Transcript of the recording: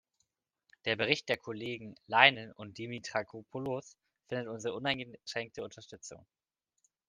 Der Bericht der Kollegen Leinen und Dimitrakopoulos findet unsere uneingeschränkte Unterstützung.